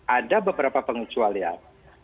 ada beberapa pengucualian